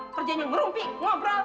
kerjanya ngerumpi ngobrol